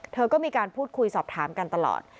เธอก็มีการพูดคุยสอบถามกันตลอด